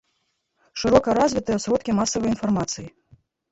Шырока развітыя сродкі масавай інфармацыі.